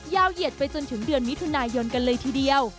เหยียดไปจนถึงเดือนมิถุนายนกันเลยทีเดียว